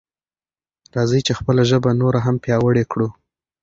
راځئ چې خپله ژبه نوره هم پیاوړې کړو.